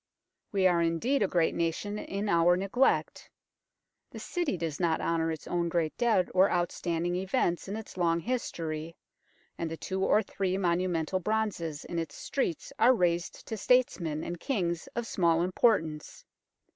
We are indeed a great nation in our neglect. The City does not honour its own great dead or outstanding events in its long history, and the two or three monumental bronzes in its streets are raised to statesmen and kings of small importance.